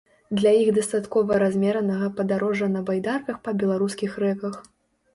Для іх дастаткова размеранага падарожжа на байдарках па беларускіх рэках.